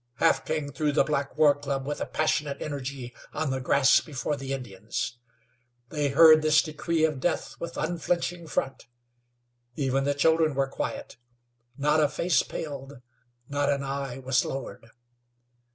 Half King threw the black war club with a passionate energy on the grass before the Indians. They heard this decree of death with unflinching front. Even the children were quiet. Not a face paled, not an eye was lowered.